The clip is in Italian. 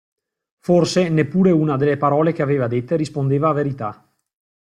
Forse, neppure una delle parole che aveva dette rispondeva a verità.